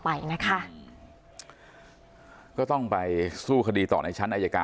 ไปนะคะก็ต้องไปสู้คดีต่อในชั้นอายการ